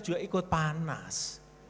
juga ikut panas